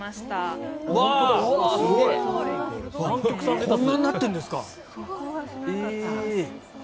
こんなになってるんですか。